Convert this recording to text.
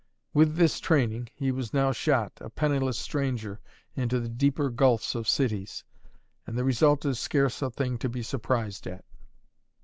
With this training, he was now shot, a penniless stranger, into the deeper gulfs of cities; and the result is scarce a thing to be surprised at.